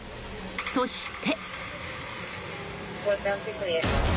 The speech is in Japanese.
そして。